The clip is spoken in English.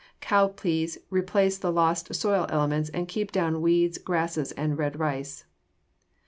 Cowpeas replace the lost soil elements and keep down weeds, grasses, and red rice.